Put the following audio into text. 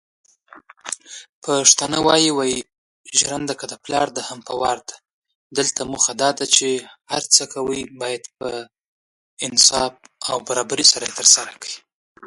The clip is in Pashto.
لرغونې او عصري زمانه یې سره غاړه غړۍ کړې دي.